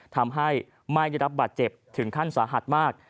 ทำให้ไม่ได้รับบาดเจ็บถึงขั้นสาหัสมาก